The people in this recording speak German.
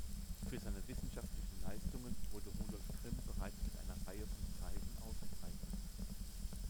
Für seine wissenschaftlichen Leistungen wurde Rudolf Grimm bereits mit einer Reihe von Preisen ausgezeichnet.